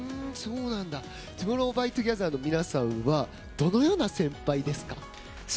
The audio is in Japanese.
ＴＯＭＯＲＲＯＷＸＴＯＧＥＴＨＥＲの皆さんはどのような先輩ですか？